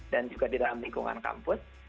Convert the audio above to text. dan juga di dalam lingkungan kampus